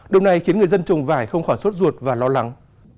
đồng này khiến người dân trồng vải không khỏi suốt ruột và lo lắng